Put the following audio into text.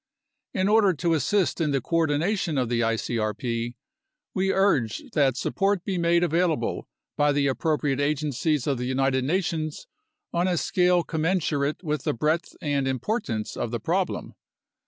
In order to assist in the coordination of the icrp, we urge that sup port be made available by the appropriate agencies of the United Na tions on a scale commensurate with the breadth and importance of the problem.